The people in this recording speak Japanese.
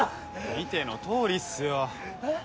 見てのとおりっすよえっ？